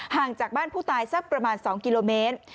ห่างจากบ้านผู้ตายสักประมาณ๒กิโลเมตร